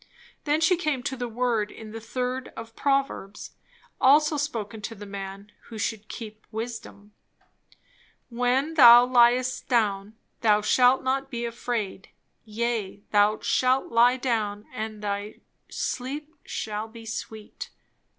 Then she came to the word in the third of Proverbs, also spoken to the man who should "keep wisdom": "When thou liest down, thou shalt not be afraid; yea, thou shalt lie down, and thy sleep shall be sweet."